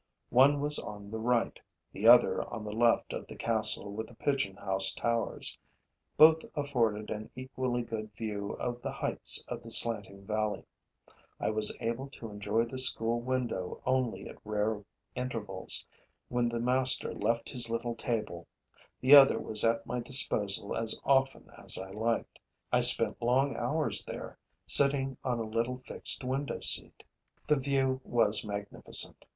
One was on the right, the other on the left of the castle with the pigeon house towers; both afforded an equally good view of the heights of the slanting valley. I was able to enjoy the school window only at rare intervals, when the master left his little table; the other was at my disposal as often as I liked. I spent long hours there, sitting on a little fixed window seat. The view was magnificent.